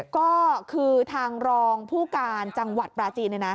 ก็คือทางรองผู้การจังหวัดปราจีน